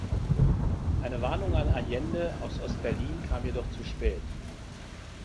Eine Warnung an Allende aus Ost-Berlin kam jedoch zu spät.